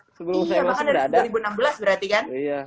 iya bahkan dari dua ribu enam belas berarti kan